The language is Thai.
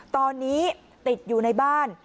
ตอนนี้ติดอยู่ในบ้าน